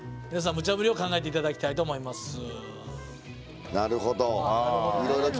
皆さん、ムチャぶりを考えていただきたいと思います。